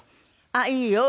あっいいよ。